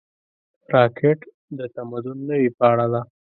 راکټ د تمدن نوې پاڼه ده